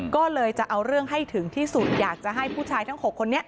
ก็เลยจะเอาเรื่องให้ถึงที่สุดอยากจะให้ผู้ชายทั้ง๖คนนี้